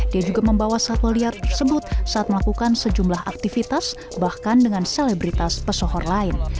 dia juga membawa satwa liar tersebut saat melakukan sejumlah aktivitas bahkan dengan selebritas pesohor lain